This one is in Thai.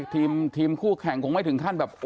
ทีมคู่แข่งคงไม่ถึงขั้นแบบ